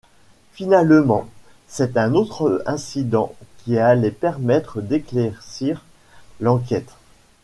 Finalement, c'est un autre incident qui allait permettre d'éclaircir l'enquête.